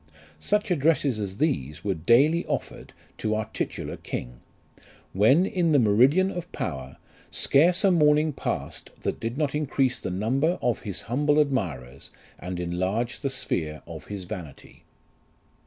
Such addresses as these were daily offered to our titular King. When in the meridian of power, scarce a morning passed that did not increase the number of his humble admirers, and enlarge the sphere of his vanity.